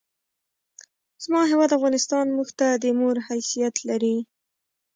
زما هېواد افغانستان مونږ ته د مور حیثیت لري!